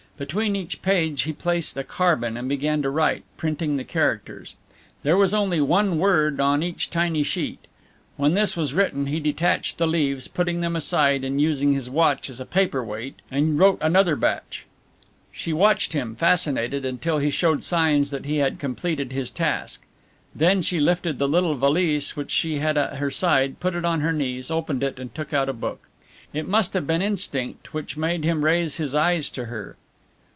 Between each page he placed a carbon and began to write, printing the characters. There was only one word on each tiny sheet. When this was written he detached the leaves, putting them aside and using his watch as a paper weight, and wrote another batch. She watched him, fascinated, until he showed signs that he had completed his task. Then she lifted the little valise which she had at her side, put it on her knees, opened it and took out a book. It must have been instinct which made him raise his eyes to her.